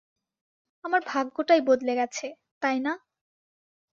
আমার ভাগ্যটাই বদলে গেছে, তাই না?